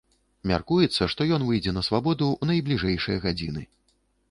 Мяркуецца, што ён выйдзе на свабоду ў найбліжэйшыя гадзіны.